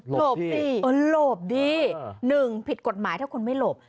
หลบดีเออหลบดีหนึ่งผิดกฎหมายถ้าคุณไม่หลบ